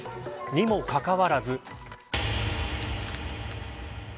にもかかわらず。